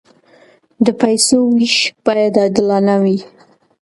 د پیسو وېش باید عادلانه وي.